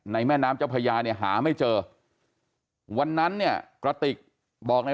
แม่น้ำเจ้าพญาเนี่ยหาไม่เจอวันนั้นเนี่ยกระติกบอกใน